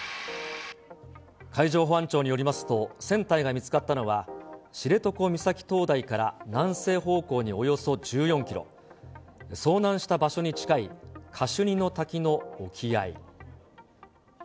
海上保安庁によりますと、船体が見つかったのは、知床岬灯台から南西方向におよそ１４キロ、遭難した場所に近いカシュニの滝の沖合。